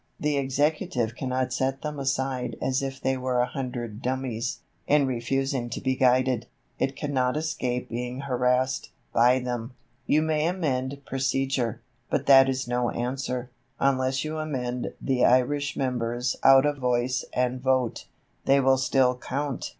The Executive cannot set them aside as if they were a hundred dummies; in refusing to be guided, it cannot escape being harassed, by them. You may amend procedure, but that is no answer, unless you amend the Irish members out of voice and vote. They will still count.